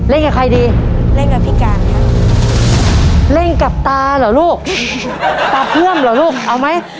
กับใครดีเล่นกับพี่การคะเล่นกับตาเหรอลูกตาเพื่อมเหรอลูกเอาไหม